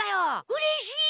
うれしい！